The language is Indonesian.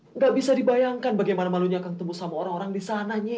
tidak bisa dibayangkan bagaimana malunya abah bertemu orang orang di sana nyi